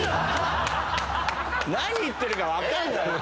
・何言ってるか分かんない。